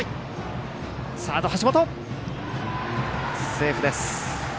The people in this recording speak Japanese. セーフです。